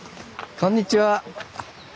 こんにちは。